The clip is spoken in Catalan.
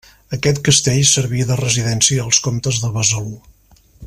Aquest castell servia de residència als comtes de Besalú.